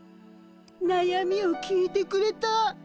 なやみを聞いてくれた。